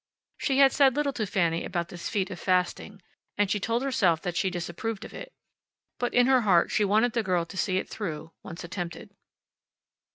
She had said little to Fanny about this feat of fasting, and she told herself that she disapproved of it. But in her heart she wanted the girl to see it through, once attempted.